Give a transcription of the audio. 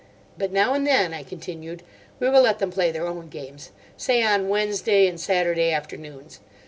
But now and then," I continued, "we will let them play their own games, say on Wednesday and Saturday afternoons.